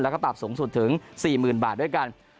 แล้วก็ปรับสูงสุดถึง๔๐๐๐บาทด้วยกัน